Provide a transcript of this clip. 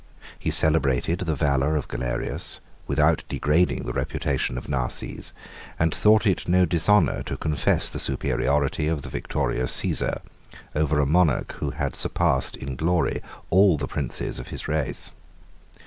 He celebrated the valor of Galerius, without degrading the reputation of Narses, and thought it no dishonor to confess the superiority of the victorious Cæsar, over a monarch who had surpassed in glory all the princes of his race.